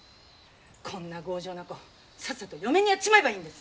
こんな強情な子さっさと嫁にやっちまえばいいんです。